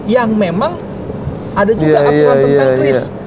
yang memang ada juga aturan tentang kris